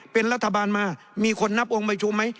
เป็นรัฐบาลมามีคนนับองค์ประชุมไหม